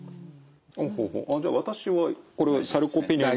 じゃあ私はこれはサルコペニアに。